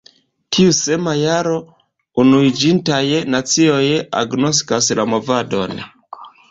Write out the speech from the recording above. Tiu sama jaro, Unuiĝintaj Nacioj agnoskas la movadon.